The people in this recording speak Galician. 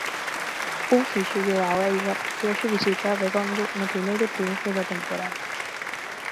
Un fíxollo ao Éibar, que hoxe visita Abegondo, no primeiro triunfo da temporada.